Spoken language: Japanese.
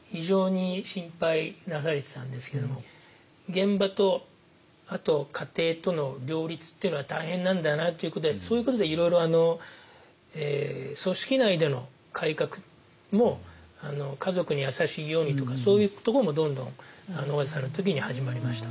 現場とあと家庭との両立っていうのは大変なんだなということでそういうことでいろいろ組織内での改革も家族に優しいようにとかそういうところもどんどん緒方さんの時に始まりましたね。